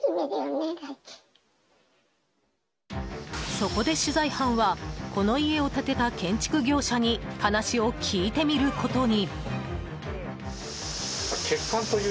そこで、取材班はこの家を建てた建築業者に話を聞いてみることに。